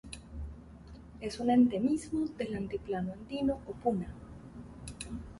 Es un endemismo del altiplano andino, o Puna.